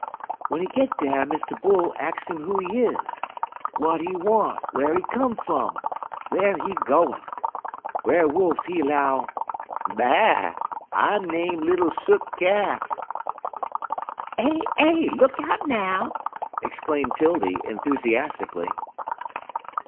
W'en he git dar Mr. Bull ax 'im who is he, w'at he want, whar he come frum, en whar he gwine. Brer Wolf, he 'low: "'Ba a a! I'm name little Sook Calf!'" "Eh eh! Look out, now!" exclaimed 'Tildy, enthusiastically.